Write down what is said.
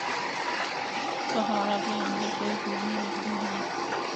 پہاڑ اپنڑے اندر کئی خوبیاں رکھدے ہن۔